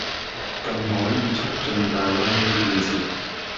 更可以促進大灣區建設